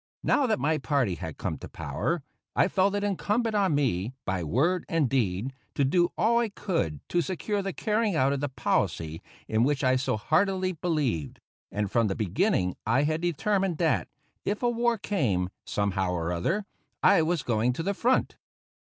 Now that my party had come to power, I felt it incumbent on me, by word and deed, to do all I could to secure the carrying out of the policy in which I so heartily believed; and from the beginning I had determined that, if a war came, somehow or other, I was going to the front.